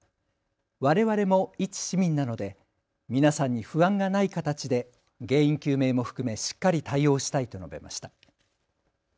われわれも一市民なので皆さんに不安がない形で原因究明も含めしっかり対応したいと述べました。